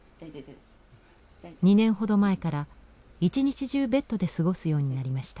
２年ほど前から一日中ベッドで過ごすようになりました。